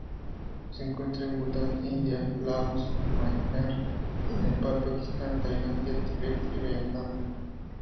Se encuentra en Bután, India, Laos, Myanmar, Nepal, Pakistán, Tailandia, Tíbet y Vietnam.